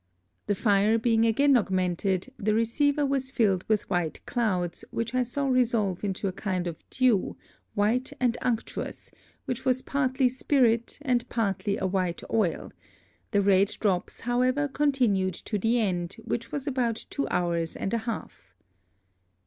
The Fire being again augmented, the Receiver was filled with white Clouds, which I saw resolve into a kind of Dew, white and unctuous, which was partly Spirit, and partly a white Oil; the red Drops however continued to the End, which was about two Hours and a half.